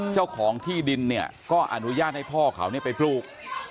เจ้าของที่ดินเนี่ยก็อนุญาตให้พ่อเขาไปปลูก